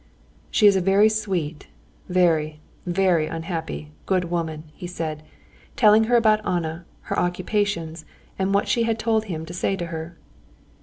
"She is a very sweet, very, very unhappy, good woman," he said, telling her about Anna, her occupations, and what she had told him to say to her.